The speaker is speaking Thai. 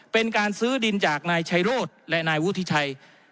เป็นการซื้อดินจากนายชัยโรธและนายวุฒิชัย